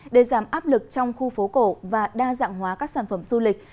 để giảm áp lực trong khu phố cổ và đa dạng hóa các sản phẩm du lịch